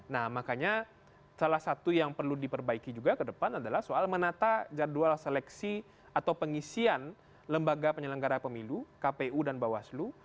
nah makanya salah satu yang perlu diperbaiki juga ke depan adalah soal menata jadwal seleksi atau pengisian lembaga penyelenggara pemilu kpu dan bawaslu